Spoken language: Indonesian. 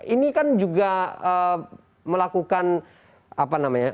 ini kan juga melakukan apa namanya